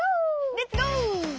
レッツゴー！